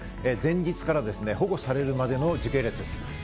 前日から保護されるまでの時系列です。